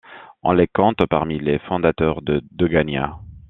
On les compte parmi les fondateurs de Degania.